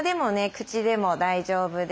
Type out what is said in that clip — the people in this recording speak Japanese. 口でも大丈夫です。